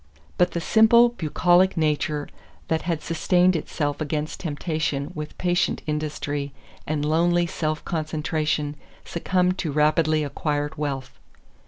But the simple, bucolic nature that had sustained itself against temptation with patient industry and lonely self concentration succumbed to rapidly acquired wealth.